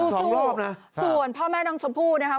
สู่สู่ส่วนพ่อแม่น้องชมพู่นะครับ